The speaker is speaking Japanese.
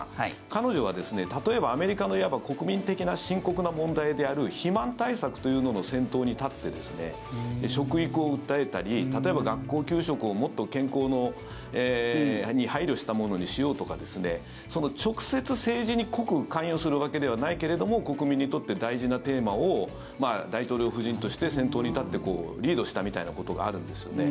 彼女は例えば、アメリカのいわば国民的な深刻な問題である肥満対策というのの先頭に立って食育を訴えたり例えば、学校給食をもっと健康に配慮したものにしようとか直接、政治に濃く関与するわけではないけども国民にとって大事なテーマを大統領夫人として先頭に立ってリードしたみたいなことがあるんですよね。